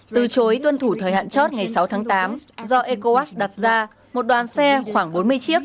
từ chối tuân thủ thời hạn chót ngày sáu tháng tám do ecowas đặt ra một đoàn xe khoảng bốn mươi chiếc